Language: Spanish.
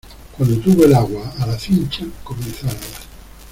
cuando tuvo el agua a la cincha comenzó a nadar